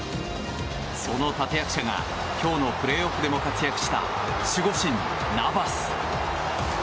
その立役者が今日のプレーオフでも活躍した守護神ナバス。